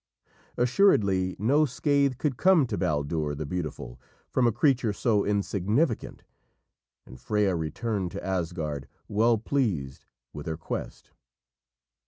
Assuredly no scathe could come to Baldur the Beautiful from a creature so insignificant, and Freya returned to Asgard well pleased with her quest.